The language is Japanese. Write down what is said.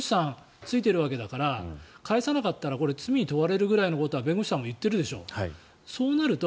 少なくとも弁護士さんがついているわけだから返さなかったら罪に問われるぐらいのことは弁護士さんは言っているでしょう